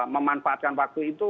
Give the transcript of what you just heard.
memanfaatkan waktu itu